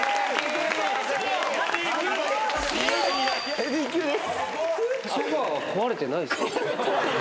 ヘビー級です。